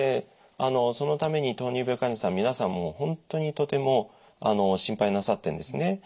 あのそのために糖尿病患者さん皆さんもう本当にとても心配なさってるんですね。